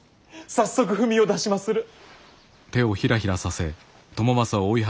早速文を出しまする。